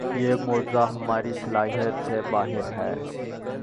یہ معجزہ ہماری صلاحیت سے باہر ہے۔